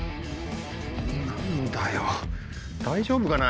何だよ大丈夫かな？